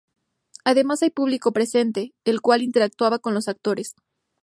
Además hay público presente, el cual interactuaba con los actores.